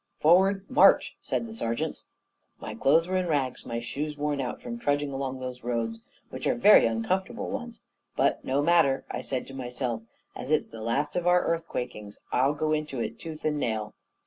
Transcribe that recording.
'Forward, march!' said the sergeants. My clothes were in rags, my shoes worn out, from trudging along those roads, which are very uncomfortable ones; but no matter! I said to myself, 'As it's the last of our earthquakings, I'll go into it, tooth and nail!'